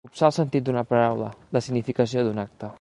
Copsar el sentit d'una paraula, la significació d'un acte.